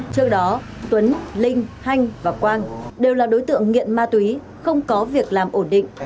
trước đó tuấn linh hanh và quang đều là đối tượng nghiện ma túy không có việc làm ổn định